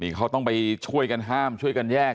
เขาต้องไปช่วยกันห้ามช่วยกันแยก